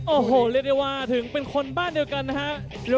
โอ้โหเรียกได้ว่าถึงเป็นคนบ้านเดียวกันนะฮะ